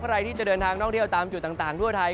ใครที่จะเดินทางท่องเที่ยวตามจุดต่างทั่วไทย